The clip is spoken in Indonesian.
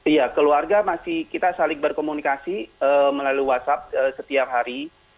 iya keluarga masih kita saling berkomunikasi melalui whatsapp setiap hari